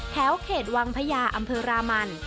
แถวเขตวังพญาอำเภอรามัน